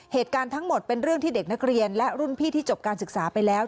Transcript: เหตุการณ์ทั้งหมดเป็นเรื่องที่เด็กนักเรียนและรุ่นพี่ที่จบการศึกษาไปแล้ว